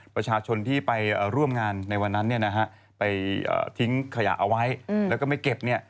ประชาชนที่ไปร่วมงานในวันนั้นไปทิ้งขยะเอาไว้แล้วก็ไม่เก็บ